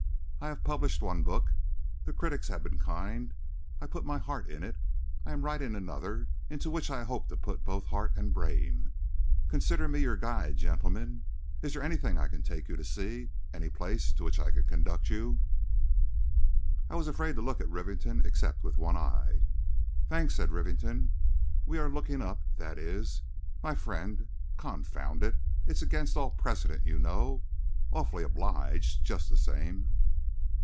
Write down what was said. I have published one book. The critics have been kind. I put my heart in it. I am writing another, into which I hope to put both heart and brain. Consider me your guide, gentlemen. Is there anything I can take you to see, any place to which I can conduct you?" I was afraid to look at Rivington except with one eye. "Thanks," said Rivington. "We were looking up ... that is ... my friend ... confound it; it's against all precedent, you know ... awfully obliged ... just the same."